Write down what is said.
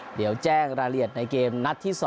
เดี๋ยวแจ้งรายละเอียดในเกมนัดที่๒